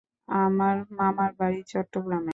আমার মামার বাড়ি চট্টগ্রামে।